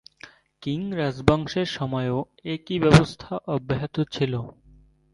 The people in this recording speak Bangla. কিং রাজবংশের সময়ও একই ব্যবস্থা অব্যাহত ছিল।